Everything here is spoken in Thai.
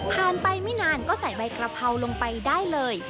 ไปไม่นานก็ใส่ใบกระเพราลงไปได้เลย